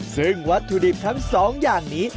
ซึ่งวัตถุดิบทั้ง๒อย่างนี้